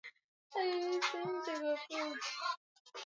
wa siku nyingi katika ulingo wa kisiasa